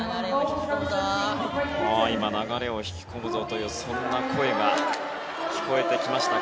今、流れを引き込むぞというそんな声が聞こえてきました。